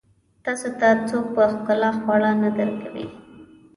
تاسو ته څوک په ښکلا خواړه نه درکوي.